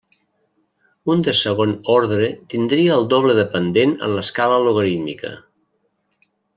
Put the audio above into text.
Un de segon ordre tindria el doble de pendent en l'escala logarítmica.